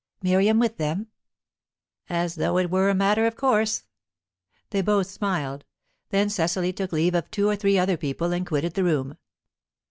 "Miriam with them?" "As though it were a matter of course." They both smiled. Then Cecily took leave of two or three other people, and quitted the room.